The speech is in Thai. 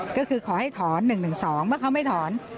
ก็คือขอให้ถอน๑๑๒เมื่อเขาไม่ถอน